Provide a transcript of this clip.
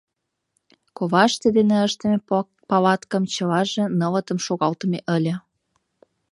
Коваште дене ыштыме палаткым чылаже нылытым шогалтыме ыле.